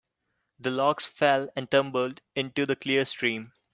The logs fell and tumbled into the clear stream.